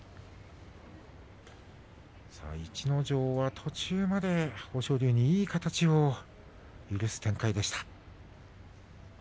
逸ノ城は途中まで豊昇龍にいい形を許す展開でした。